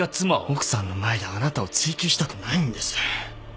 奥さんの前であなたを追及したくないんです。